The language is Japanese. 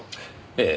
ええ。